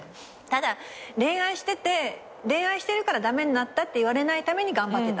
ただ恋愛してて恋愛してるから駄目になったって言われないために頑張ってた。